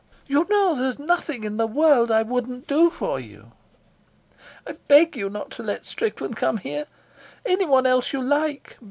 "You know there's nothing in the world that I wouldn't do for you." "I beg you not to let Strickland come here. Anyone else you like.